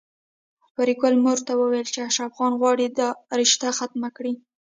پري ګلې مور ته ويل چې اشرف خان غواړي دا رشته ختمه کړي